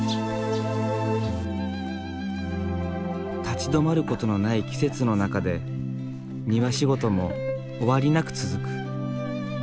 立ち止まることのない季節の中で庭仕事も終わりなく続く。